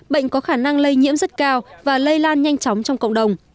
bệnh có khả năng lây nhiễm rất cao và lây lan nhanh chóng trong cộng đồng